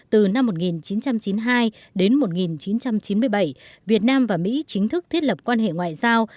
từ năm một nghìn chín trăm chín mươi hai đến một nghìn chín trăm chín mươi bảy việt nam và mỹ chính thức thiết lập quan hệ ngoại giao